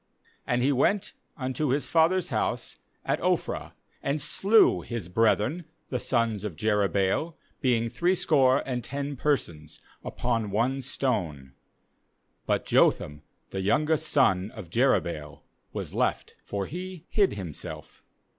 5And he went unto his father's house at Oph rah, and slew his brethren the sons of Jerubbaal, being threescore and ten persons, upon one stone; but Jotham the youngest son of Jerubbaal was left; for he hid himself.